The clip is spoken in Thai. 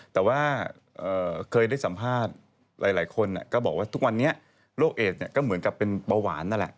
แต่ว่าเคยได้สัมภาษณ์หลายคนก็บอกว่าทุกวันนี้โรคเอสก็เหมือนกับเป็นเบาหวานนั่นแหละ